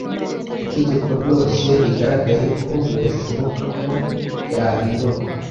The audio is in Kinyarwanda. Itegeko ryose rigaragaye ko bidashoboka ko ryahindurwa,